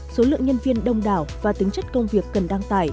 số lượng nhân viên đông đảo và tính chất công việc cần đăng tải